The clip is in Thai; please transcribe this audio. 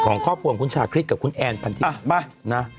ของครอบครัวของคุณฉาคริชกับคุณแนน